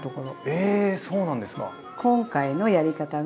えそうなんですか。